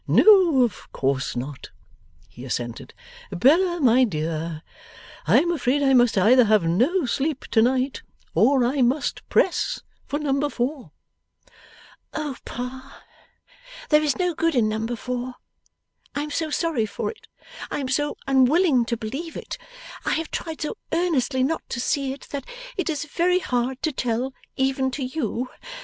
'No, of course not,' he assented. 'Bella, my dear, I am afraid I must either have no sleep to night, or I must press for number four.' 'Oh, Pa, there is no good in number four! I am so sorry for it, I am so unwilling to believe it, I have tried so earnestly not to see it, that it is very hard to tell, even to you.